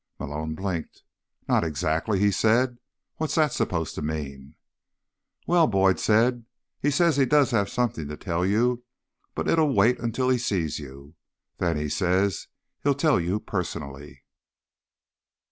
Malone blinked. "Not exactly?" he said. "What's that supposed to mean?" "Well," Boyd said, "he says he does have something to tell you, but it'll wait until he sees you. Then, he says, he'll tell you personally."